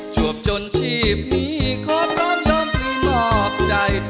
วบจนชีพนี้ขอพร้อมยอมที่มอบใจ